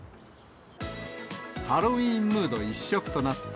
ハロウィーンムード一色となった